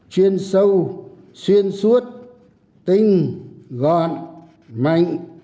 chuyên sâu xuyên suốt tinh gọn mạnh